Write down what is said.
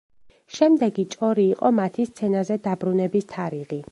შემდეგი ჭორი იყო მათი სცენაზე დაბრუნების თარიღი.